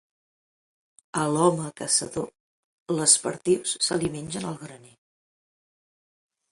A l'home caçador, les perdius se li mengen el graner.